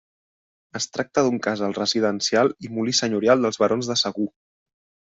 Es tracta d'un casal residencial i molí senyorial dels barons de Segur.